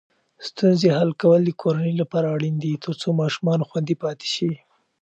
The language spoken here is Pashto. ستونزې حل کول د کورنۍ لپاره اړین دي ترڅو ماشومان خوندي پاتې شي.